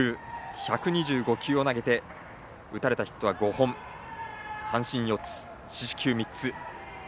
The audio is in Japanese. １２５球を投げて打たれたヒットは５本三振４つ、四死球３つ。